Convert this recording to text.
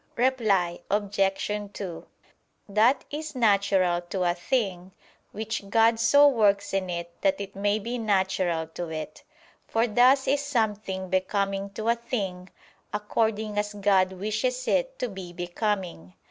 Reply Obj. 2: That is natural to a thing, which God so works in it that it may be natural to it: for thus is something becoming to a thing, according as God wishes it to be becoming.